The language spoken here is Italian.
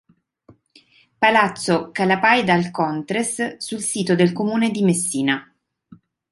Palazzo Calapaj-D'Alcontres sul sito del Comune di Messina